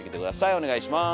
お願いします。